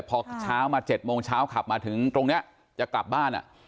พอเช้ามา๗โมงเช้าขับมาถึงตรงนี้จะกลับบ้าน